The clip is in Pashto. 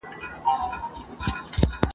د سندرغاړو لپاره ..